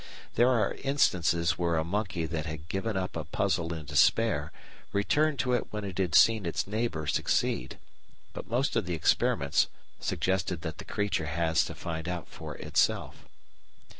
There are instances where a monkey that had given up a puzzle in despair returned to it when it had seen its neighbour succeed, but most of the experiments suggested that the creature has to find out for itself.